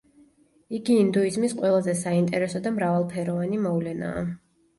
იგი ინდუიზმის ყველაზე საინტერესო და მრავალფეროვანი მოვლენაა.